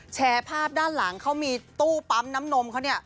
แชร์ภาพด้านหลังเขามีตู้ปั๊มน้ำนมเขาเนี่ย